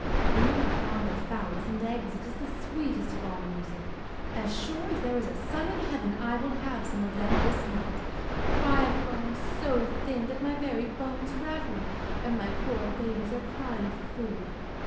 'When you are fond of fowls and eggs it is the sweetest of all music. As sure as there is a sun in heaven I will have some of them this night, for I have grown so thin that my very bones rattle, and my poor babies are crying for food.